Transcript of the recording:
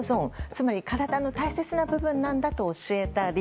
つまり体の大切な部分なんだと教えたり。